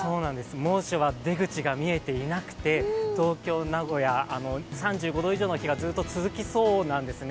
猛暑は出口が見えていなくて、東京、名古屋、３５度以上の日がずっと続きそうなんですね。